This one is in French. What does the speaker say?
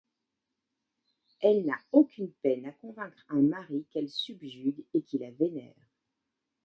Elle n’a aucune peine à convaincre un mari qu’elle subjugue et qui la vénère.